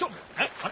あれ？